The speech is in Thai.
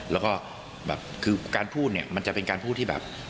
แล้วก็แบบคือการพูดเนี่ยมันจะเป็นการพูดที่แบบ